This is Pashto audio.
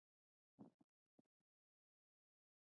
افغانستان کې د سنگ مرمر لپاره دپرمختیا پروګرامونه شته.